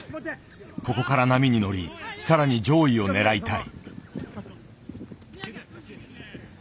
ここから波に乗り更に上位を狙いたい。